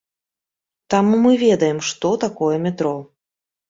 Таму мы ведаем, што такое метро.